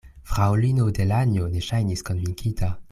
Fraŭlino Delanjo ne ŝajnis konvinkita.